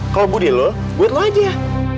kalo budi lo buat lo aja